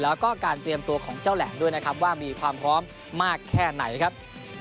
แล้วก็การเตรียมตัวของเจ้าแหลมด้วยนะครับว่ามีความพร้อมมากแค่ไหนครับ